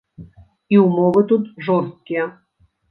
І ўмовы тут жорсткія.